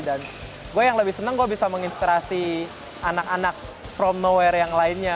dan gue yang lebih seneng gue bisa menginspirasi anak anak from nowhere yang lainnya